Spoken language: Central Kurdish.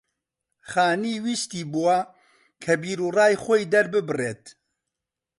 خانی ویستی بووە کە بیرو ڕای خۆی دەرببڕێت